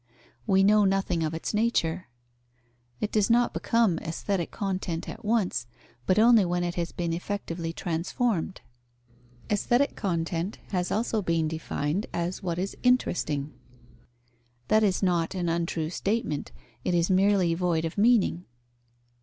We know nothing of its nature. It does not become aesthetic content at once, but only when it has been effectively transformed. Aesthetic content has also been defined as what is interesting. That is not an untrue statement; it is merely void of meaning.